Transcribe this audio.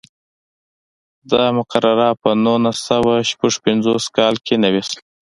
دا مقرره په نولس سوه شپږ پنځوس کال کې نوې شوه.